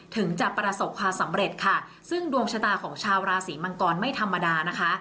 ถึงจะประสบความสำเร็จค่ะซึ่งดวงชะตาของชาวราศีมังกรไม่ธรรมดานะคะ